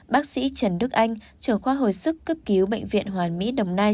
bác sĩ trần đức anh trưởng khoa hội sức cấp cứu bệnh viện hoàn mỹ đồng nai